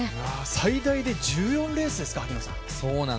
最大で１４レースですか。